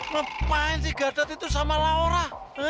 ngapain sih gadot itu sama laura